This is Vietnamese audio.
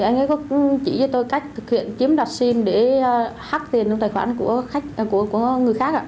anh ấy có chỉ cho tôi cách thực hiện chiếm đoạt sim để hắc tiền trong tài khoản của người khác